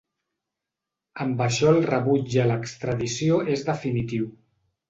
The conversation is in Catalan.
Amb això el rebuig a l’extradició és definitiu.